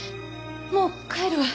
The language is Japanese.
もう帰るわ。